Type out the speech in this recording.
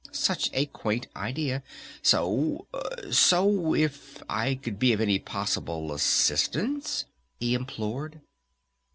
Such a quaint idea! So so ! If I could be of any possible assistance?" he implored.